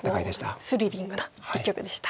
もうスリリングな一局でした。